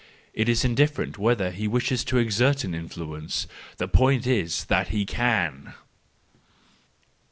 It is indifferent whether he wishes to exert an influence; the point is that he can.